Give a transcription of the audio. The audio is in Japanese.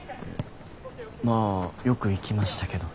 まあよく行きましたけど。